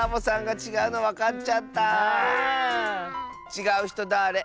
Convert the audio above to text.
「ちがうひとはだれ？」